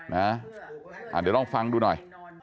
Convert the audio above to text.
เดี๋ยวลองฟังดูหน่อย